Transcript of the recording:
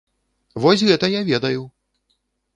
Вось гэта я ведаю!